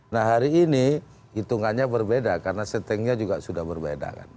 nah hari ini hitungannya berbeda karena settingnya juga sudah berbeda kan